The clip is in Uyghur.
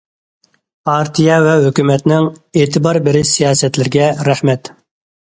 پارتىيە ۋە ھۆكۈمەتنىڭ ئېتىبار بېرىش سىياسەتلىرىگە رەھمەت.